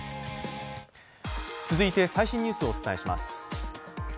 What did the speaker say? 続いて最新ニュースをお伝えします。